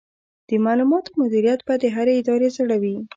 د معلوماتو مدیریت به د هرې ادارې زړه وي.